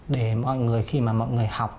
để mọi người khi mà mọi người học